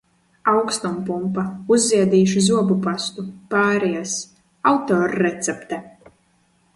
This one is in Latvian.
Aukstumpumpa, uzziedīšu zobupastu, pāries. Autorrecepte.